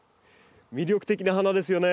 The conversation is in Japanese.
魅力的な花ですよね。